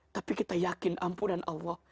tapi kita yakin ampunan allah